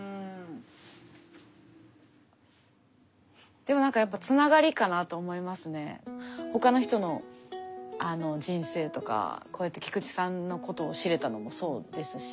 でもなんかやっぱ他の人の人生とかこうやって菊池さんのことを知れたのもそうですし。